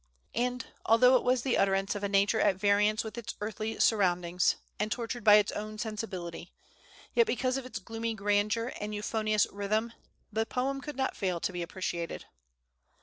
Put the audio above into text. And, although it was the utterance of a nature at variance with its earthy surroundings, and tortured by its own sensibility, yet because of its gloomy grandeur and euphonious rhythm, the poem could not fail to be appreciated.